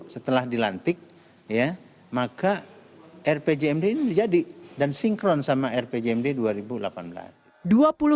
setelah dilantik maka rpjmd ini menjadi dan sinkron sama rpjmd dua ribu delapan belas